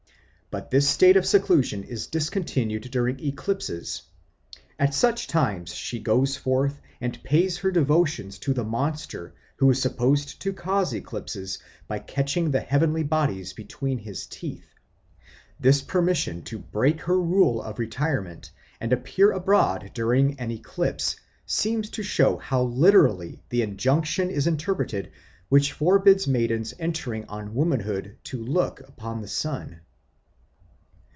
But this state of seclusion is discontinued during eclipses; at such times she goes forth and pays her devotions to the monster who is supposed to cause eclipses by catching the heavenly bodies between his teeth. This permission to break her rule of retirement and appear abroad during an eclipse seems to show how literally the injunction is interpreted which forbids maidens entering on womanhood to look upon the sun.